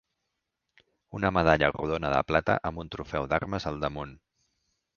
Una medalla rodona de plata, amb un trofeu d'armes al damunt.